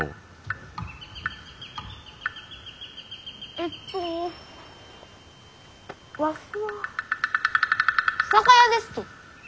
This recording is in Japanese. えっとわしは酒屋ですき。